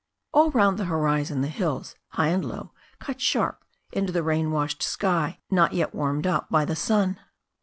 All round the horizon, the hills, high and low, cut sharp into the rain washed sky, not yet warmed up by the sun.